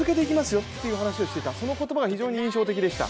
よって話をしてた、その言葉が非常に印象的でした。